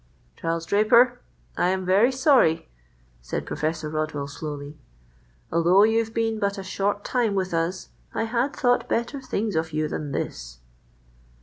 "Charles Draper, I am very sorry," said Professor Rodwell slowly. "Although you've been but a short time with us, I had thought better things of you than this."